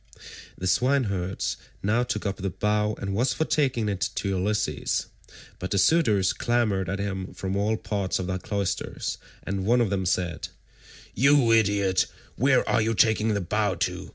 The swineherd now took up the bow and was for taking it to Ulysses, but the suitors clamoured at him from all parts of the cloisters, and one of them said, "You idiot, where are you taking the bow to?